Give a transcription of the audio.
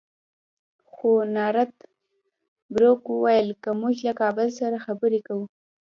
خو نارت بروک وویل که موږ له کابل سره خبرې کوو.